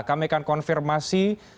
kami akan konfirmasi